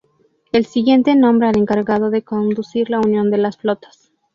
El siguiente nombra al encargado de conducir la unión de las flotas.